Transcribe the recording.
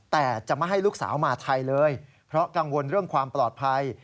แต่จะไม่ให้ลูกสาวมาไทยเลยเพราะกังวลเรื่องความปลอดภัย